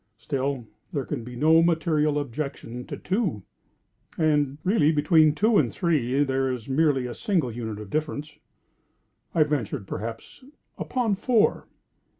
Still, there can be no material objection to two. And really between two and three, there is merely a single unit of difference. I ventured, perhaps, upon four.